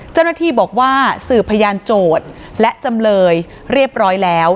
เจ้าหน้าที่บอกว่าสืบพยานโจทย์และจำเลยเรียบร้อยแล้ว